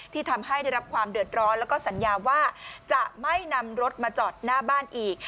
ที่ทำให้ได้รับความเดือดร้อนแล้วก็สัญญาว่าจะไม่นำรถมาจอดหน้าบ้านอีก